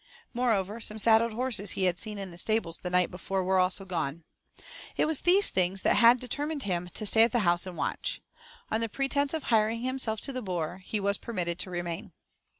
Moreover, some saddled horses he had seen in the stables the night before were also gone. It was these things that had determined him to stay at the house and watch. On pretence of hiring himself to the boer he was permitted to remain.